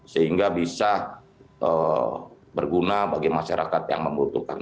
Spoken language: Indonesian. sehingga bisa berguna bagi masyarakat yang membutuhkan